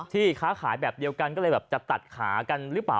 ค้าขายแบบเดียวกันก็เลยแบบจะตัดขากันหรือเปล่า